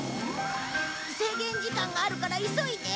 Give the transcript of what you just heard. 制限時間があるから急いで！